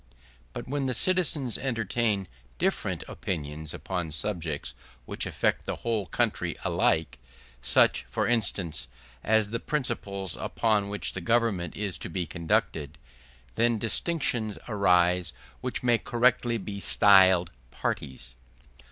But when the citizens entertain different opinions upon subjects which affect the whole country alike, such, for instance, as the principles upon which the government is to be conducted, then distinctions arise which may correctly be styled parties.